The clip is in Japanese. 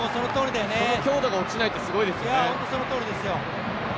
その強度が落ちないって本当にすごいですよね。